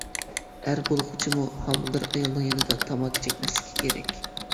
ئەر بولغۇچىمۇ ھامىلىدار ئايالنىڭ يېنىدا تاماكا چەكمەسلىكى كېرەك.